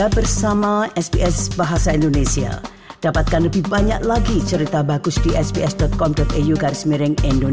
pemilihan umum kpu ri